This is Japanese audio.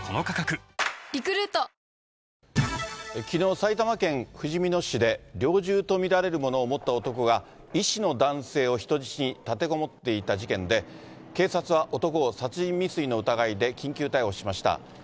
きのう、埼玉県ふじみ野市で猟銃と見られるものを持った男が、医師の男性を人質に立てこもっていた事件で、警察は男を殺人未遂の疑いで緊急逮捕しました。